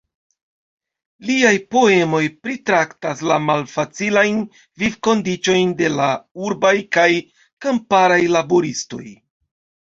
Liaj poemoj pritraktas la malfacilajn vivkondiĉojn de la urbaj kaj kamparaj laboristoj.